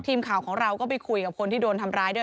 ทีมข่าวของเราก็ไปคุยกับคนที่โดนทำร้ายด้วย